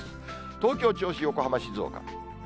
東京、銚子、横浜、静岡。